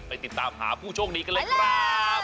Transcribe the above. ติดตามหาผู้โชคดีกันเลยครับ